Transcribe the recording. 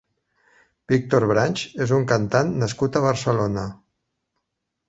Víctor Branch és un cantant nascut a Barcelona.